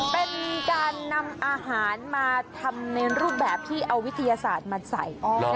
เป็นการนำอาหารมาทำในรูปแบบที่เอาวิทยาศาสตร์มาใส่